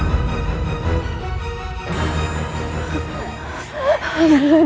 buat tawaran kita